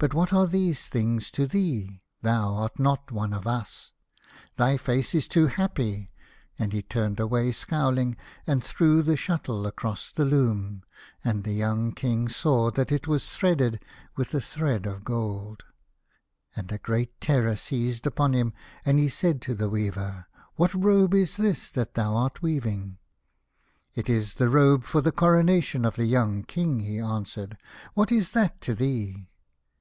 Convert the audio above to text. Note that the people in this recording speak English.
But what are these things to thee ? Thou art not one of us. Thy face is too happy." And he turned away scowling, and threw the shuttle across the loom, and the young King io The Young King. saw that it was threaded with a thread of goid. And a great terror seized upon him, and he said to the weaver, " What robe is this that thou art weaving ?"" It is the robe for the coronation of the young King," he answered ; "what is that to thee